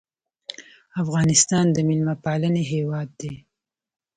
افغانستان د میلمه پالنې هیواد دی